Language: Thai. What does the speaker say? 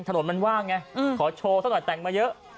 ถนนมันว่างไงขอโชว์ซะหน่อยแต่งมาเยอะ